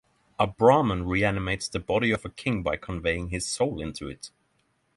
A Brahman reanimates the body of a king by conveying his soul into it.